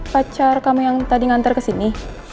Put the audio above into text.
pacar kamu yang tadi ngantar kesini